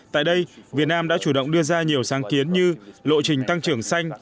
tại đây việt nam đã chủ động đưa ra nhiều sáng kiến như lộ trình tăng trưởng xanh